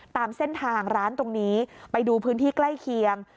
ตามเส้นทางร้านตรงนี้ไปดูพื้นที่ใกล้เคียง